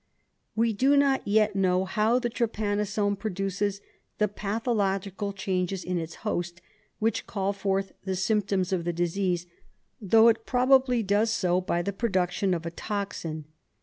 We do not yet know how the trypanosome produces the pathological changes in its host which call forth the symp toms of the disease, though it probably does so by the production of a toxin.